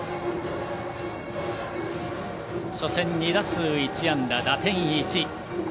初戦、２打数１安打、打点１。